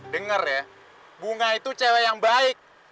dengar ya bunga itu cewek yang baik